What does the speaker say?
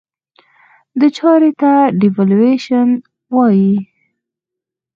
دې چارې ته Devaluation وایي.